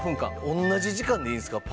同じ時間でいいんですか？